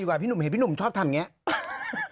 กว่าพี่หนุ่มเห็นพี่หนุ่มชอบทำอย่างนี้